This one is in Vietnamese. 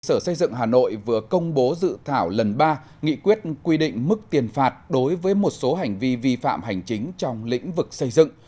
sở xây dựng hà nội vừa công bố dự thảo lần ba nghị quyết quy định mức tiền phạt đối với một số hành vi vi phạm hành chính trong lĩnh vực xây dựng